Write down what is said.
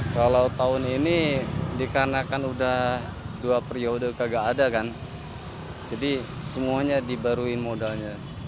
kalau tahun ini dikarenakan udah dua periode kagak ada kan jadi semuanya dibaruin modalnya